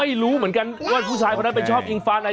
ไม่รู้เหมือนกันว่าผู้ชายคนนั้นไปชอบอิงฟ้าไหน